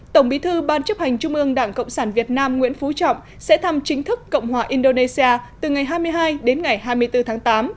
tổng bí thư ban chấp hành trung ương đảng cộng sản việt nam nguyễn phú trọng sẽ thăm chính thức cộng hòa indonesia từ ngày hai mươi hai đến ngày hai mươi bốn tháng tám